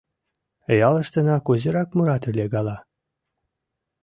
Ялыштына кузерак мурат ыле гала?..»